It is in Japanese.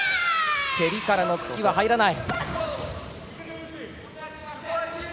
蹴りからの突きは入らない。